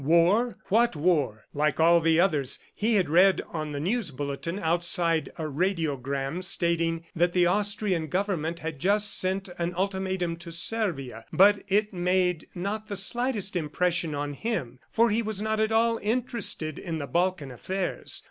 War! ... What war? ... Like all the others, he had read on the news bulletin outside a radiogram stating that the Austrian government had just sent an ultimatum to Servia; but it made not the slightest impression on him, for he was not at all interested in the Balkan affairs.